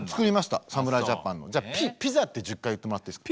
じゃあ「ピザ」って１０回言ってもらっていいですか？